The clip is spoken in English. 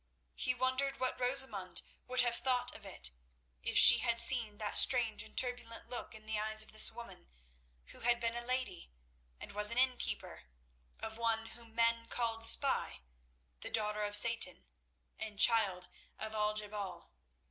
He wondered what Rosamund would have thought of it, if she had seen that strange and turbulent look in the eyes of this woman who had been a lady and was an inn keeper; of one whom men called Spy, and daughter of Satan, and child of Al je bal.